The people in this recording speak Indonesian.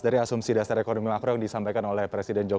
dari asumsi dasar ekonomi makro yang disampaikan oleh presiden jokowi